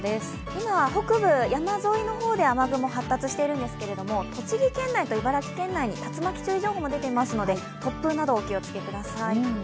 今、北部山沿いの方で雨雲発達してるんですが栃木県内と茨城県内に竜巻注意情報も出ていますので、突風などお気をつけください。